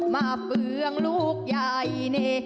มาเฟืองลูกใหญ่เน่